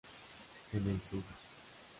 En el Sur.